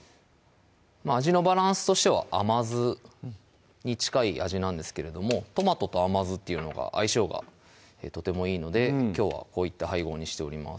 味のバランスとしては甘酢に近い味なんですけれどもトマトと甘酢っていうのが相性がとてもいいのできょうはこういった配合にしております